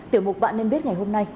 tiểu mục bạn nên biết ngày hôm nay